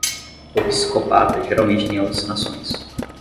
O psicopata geralmente tem alucinações.